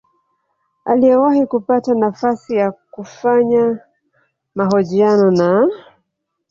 aliyewahi kupata nafasi ya kufanya mahojiano na